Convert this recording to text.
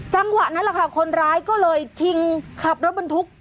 จังหวะนั้นแหละค่ะคนร้ายก็เลยชิงขับรถบรรทุก